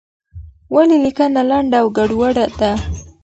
ولې لیکنه لنډه او ګډوډه ده؟